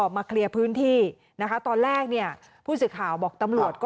มาเคลียร์พื้นที่ตอนแรกผู้สิข่าวบอกตำรวจ